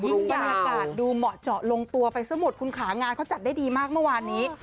บรรยากาศดูเหมาะเจาะลงตัวไปซะหมดคุณขางานเขาจัดได้ดีมากเมื่อวานนี้